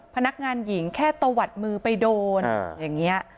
พนักงานหญิงแค่ตะวัดมือไปโดนอย่างนี้